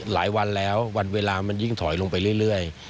หลายวันแล้ววันเวลามันยิ่งถอยลงไปเรื่อย